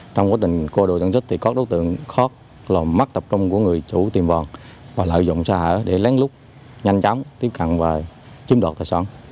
trong quá trình qua đồ trang sức thì các đối tượng khó mắc tập trung của người chủ tiệm vàng và lợi dụng xã hội để lén lút nhanh chóng tiếp cận và chiếm đột tại sản